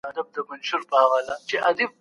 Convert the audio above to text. تاسي د هر بدلون لپاره ذهني چمتووالی ولرئ.